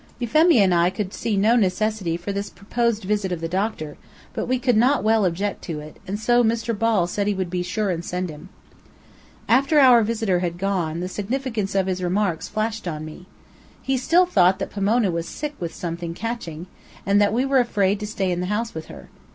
Euphemia and I could see no necessity for this proposed visit of the doctor, but we could not well object to it, and so Mr. Ball said he would be sure and send him. After our visitor had gone, the significance of his remarks flashed on me. He still thought that Pomona was sick with something catching, and that we were afraid to stay in the house with her.